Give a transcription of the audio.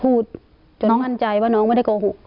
พูดจนพันใจว่าน้องไม่ได้โกหก